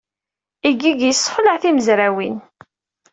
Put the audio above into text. Iggig yessexleɛ timezrawin.